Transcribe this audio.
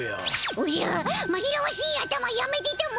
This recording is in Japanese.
おじゃまぎらわしい頭やめてたも。